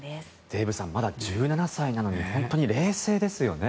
デーブさんまだ１７歳なのに冷静ですよね。